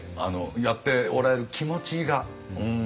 やっておられる気持ちが。